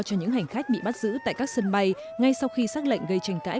cho những hành khách bị bắt giữ tại các sân bay ngay sau khi xác lệnh gây tranh cãi